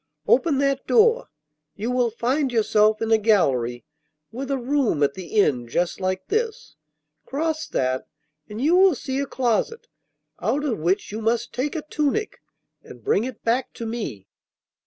'Open that door. You will find yourself in a gallery with a room at the end just like this. Cross that, and you will see a closet, out of which you must take a tunic, and bring it back to me.